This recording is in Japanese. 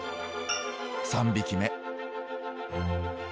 ３匹目。